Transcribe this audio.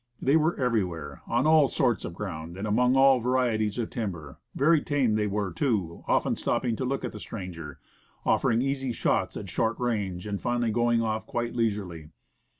They were everywhere, on all sorts of ground and among all varieties of timber; very tame they were, too, often stopping to look at the stranger, offering easy shots at short range, and finally going off quite leisurely.